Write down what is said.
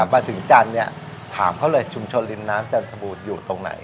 มาถึงจันทร์เนี่ยถามเขาเลยชุมชนริมน้ำจันทบูรณ์อยู่ตรงไหน